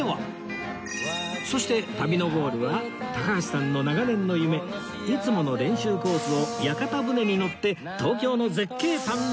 そして旅のゴールは高橋さんの長年の夢いつもの練習コースを屋形船に乗って東京の絶景堪能！